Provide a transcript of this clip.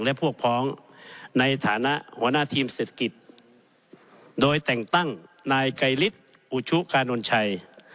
และพวกพ้องในฐานะหัวหน้าทีมเศรษฐกิจโดยแต่งตั้งนายไกรฤทธิ์อุชุกานนท์ชัย